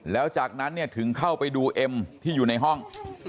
แล้วจากนั้นเนี่ยถึงเข้าไปดูเอ็มที่อยู่ในห้อง